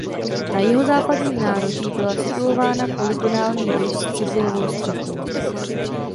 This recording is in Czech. Na jihozápadním nároží byla situována polygonální věž s cibulovou střechou.